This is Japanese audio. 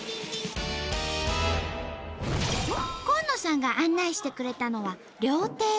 公野さんが案内してくれたのは料亭。